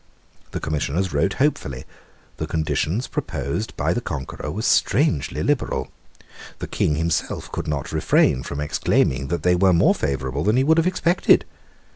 The Commissioners wrote hopefully. The conditions proposed by the conqueror were strangely liberal. The King himself could not refrain from exclaiming that they were more favourable than he could have expected.